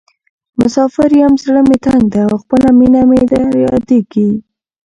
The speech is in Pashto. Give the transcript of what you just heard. مسافر یم زړه مې تنګ ده او خپله مینه مې رایادیزې.